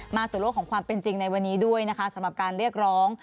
มาสู่โลกของความเป็นจริงในวันนี้ด้วยนะคะสำหรับการเรียกร้อง